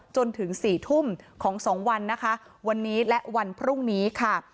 จนถึง๔ทุ่มของ๒วันนะคะวันนี้และวันพรุ่งนี้ค่ะ